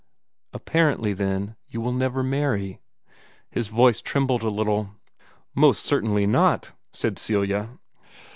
"Apparently, then, you will never marry." His voice trembled a little. "Most certainly not!" said Celia.